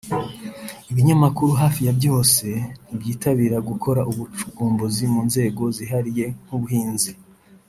Ibinyamakuru hafi ya byose ntibyitabira gukora ubucukumbuzi mu nzego zihariye nk’ubuhinzi